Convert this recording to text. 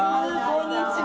こんにちは。